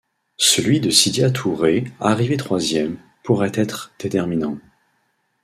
Celui de Sidya Touré, arrivé troisième, pourrait être déterminant.